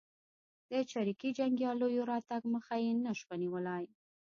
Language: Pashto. د چریکي جنګیالیو راتګ مخه یې نه شوه نیولای.